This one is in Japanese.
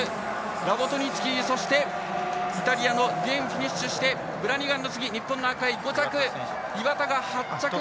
ラボトニツキー、そしてイタリアのディエンがフィニッシュしてブラニガンが次日本の赤井は５着岩田、８着。